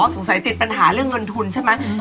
อ๋อสงสัยติดปัญหาเรื่องเงินทุนใช่ไหมอืม